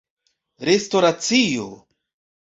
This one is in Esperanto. restoracio